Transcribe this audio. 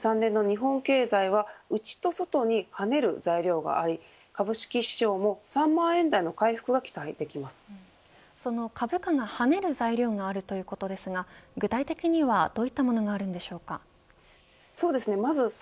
２０２３年の日本経済は内と外に跳ねる材料があり株式市場もその株価が跳ねる材料があるということですが具体的にはどういったものがそうですね。